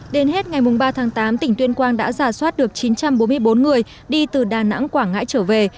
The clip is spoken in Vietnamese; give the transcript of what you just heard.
đến hết ngày ba tháng tám tỉnh tuyên quang đã giả soát được chín trăm bốn mươi bốn người đi từ đà nẵng quảng ngãi trở về